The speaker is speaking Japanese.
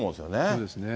そうですね。